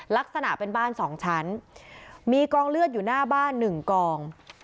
ลักษณะเป็นบ้านสองชั้นมีกล้องเลือดอยู่หน้าบ้านหนึ่งกล่อง